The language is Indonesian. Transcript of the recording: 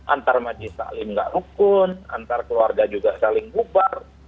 antar majis taklim nggak hukum antar keluarga juga saling bubar